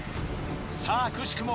さぁくしくも